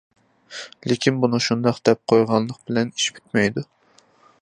لېكىن، بۇنى شۇنداق دەپ قويغانلىق بىلەن ئىش پۈتمەيدۇ.